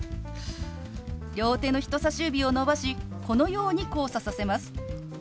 両手の人さし指を伸ばしこのように交差させます。